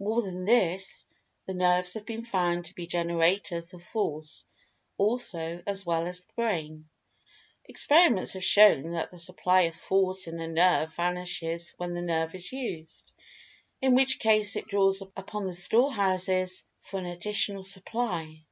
More than this, the nerves have been found to be generators of Force, also, as well as the[Pg 214] Brain. Experiments have shown that the supply of Force in a nerve vanishes when the nerve is used, in which case it draws upon the storehouses for an additional supply.